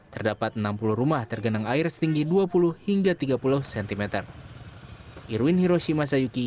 terdapat enam puluh rumah tergenang air setinggi dua puluh hingga tiga puluh cm